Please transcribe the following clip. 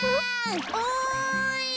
おい。